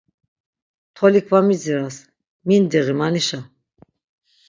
Tolik va midziras, mindiği manişa!